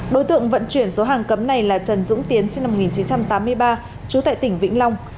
đối tượng vận chuyển số hàng cấm này là trần dũng tiến sinh năm một nghìn chín trăm tám mươi ba trú tại tỉnh vĩnh long